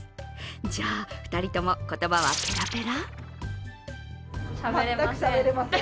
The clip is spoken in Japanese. じゃあ、２人とも言葉はペラペラ？